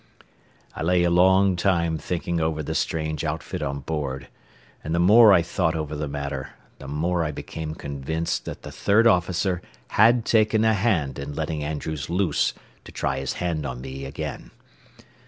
I lay a long time thinking over the strange outfit on board, and the more I thought over the matter, the more I became convinced that the third officer had taken a hand in letting Andrews loose to try his hand on me again.